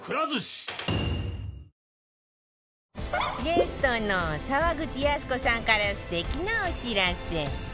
ゲストの沢口靖子さんから素敵なお知らせ